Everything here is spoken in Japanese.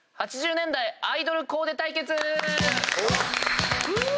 ８０年代アイドルコーデ対決！